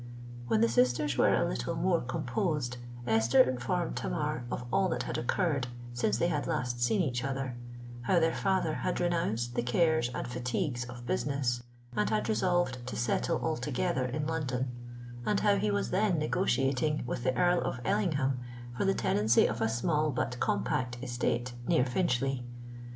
When the sisters were a little more composed, Esther informed Tamar of all that had occurred since they had last seen each other,—how their father had renounced the cares and fatigues of business, and had resolved to settle altogether in London; and how he was then negotiating with the Earl of Ellingham for the tenancy of a small but compact estate near Finchley.